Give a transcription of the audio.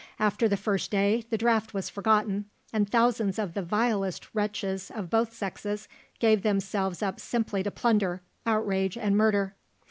After the first day the draft was forgotten, and thousands of the vilest wretches of both sexes gave themselves up simply to plunder, outrage, and murder.